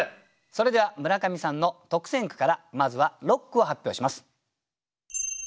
それでは村上さんの特選句からまずは６句を発表します。